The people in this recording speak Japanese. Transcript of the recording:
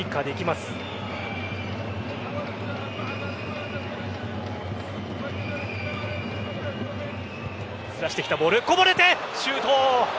すらしてきたボールこぼれて、シュート。